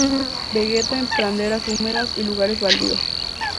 Vegeta en praderas húmedas y lugares baldíos.